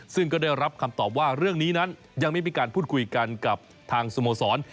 ซึ่งก็ได้รับคำตอบว่าเรื่องนี้นั้นยังไม่มีการพูดคุยกันกับทางสโมสร